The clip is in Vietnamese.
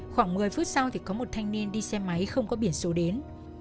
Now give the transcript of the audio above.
khoảng một mươi phút sau thì có một thanh niên đi xe máy không có biển số đến